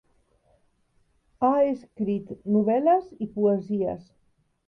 Ha escrit novel·les i poesies.